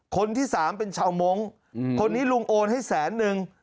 คนที่สามเป็นชาวมงค์คนนี้ลุงโอนให้แสนนึง